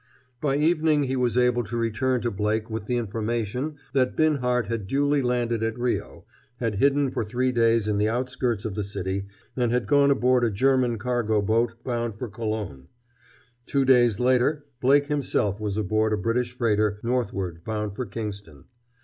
By evening he was able to return to Blake with the information that Binhart had duly landed at Rio, had hidden for three days in the outskirts of the city, and had gone aboard a German cargo boat bound for Colon. Two days later Blake himself was aboard a British freighter northward bound for Kingston.